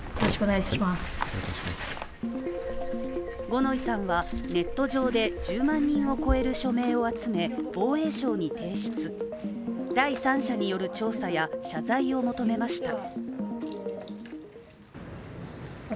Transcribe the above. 五ノ井さんはネット上で１０万人を超える署名を集め防衛省に提出、第三者による調査や謝罪を求めました。